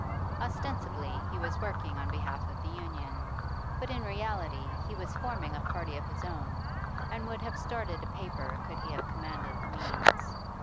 Ostensibly he was working on behalf of the Union, but in reality he was forming a party of his own, and would have started a paper could he have commanded the means.